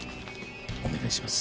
お願いします。